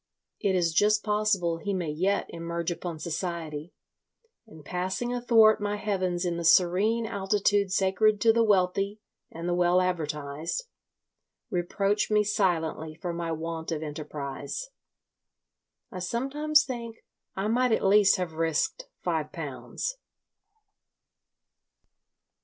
It is just possible he may yet emerge upon society, and, passing athwart my heavens in the serene altitude sacred to the wealthy and the well advertised, reproach me silently for my want of enterprise. I sometimes think I might at least have risked five pounds.